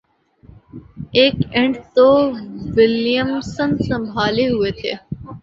ایک اینڈ تو ولیمسن سنبھالے ہوئے تھے